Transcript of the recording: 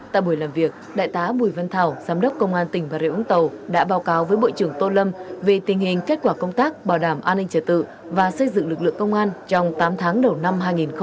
tại buổi làm việc đại tá bùi văn thảo giám đốc công an tỉnh bà rịa úng tàu đã báo cáo với bộ trưởng tô lâm về tình hình kết quả công tác bảo đảm an ninh trật tự và xây dựng lực lượng công an trong tám tháng đầu năm hai nghìn hai mươi ba